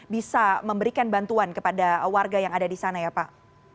bisa memberikan bantuan kepada warga yang ada di sana ya pak